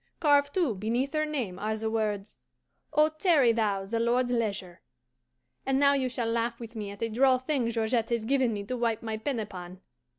Carved, too, beneath her name, are the words, "Oh, tarry thou the Lord's leisure." And now you shall laugh with me at a droll thing Georgette has given me to wipe my pen upon.